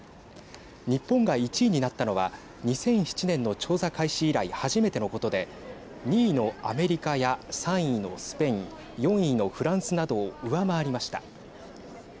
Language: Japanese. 日本が１位になったのは２００７年の調査開始以来初めてのことで２位のアメリカや３位のスペイン４位のフランスなどを上回りました。